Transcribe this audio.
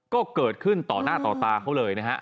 ก็เกิดขึ้นต่อหน้าต่อตาเขาเลยนะฮะ